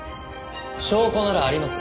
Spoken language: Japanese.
証拠ならあります。